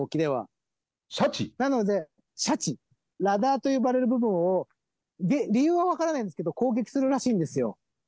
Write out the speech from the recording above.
ラダーと呼ばれる部分を理由は分からないんですけど攻撃するらしいんですよ。